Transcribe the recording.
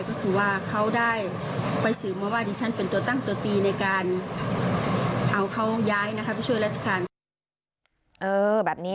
ก็คือว่าเขาได้ไปสื่อมาว่าดิฉันเป็นตัวตั้งตัวตี